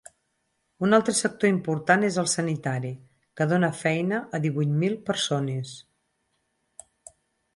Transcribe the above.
Un altre sector important és el sanitari, que dóna feina a divuit mil persones.